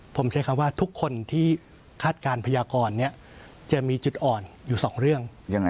ผมใช้คำว่าทุกคนที่คาดการณ์พยากรจะมีจุดอ่อนอยู่สองเรื่อง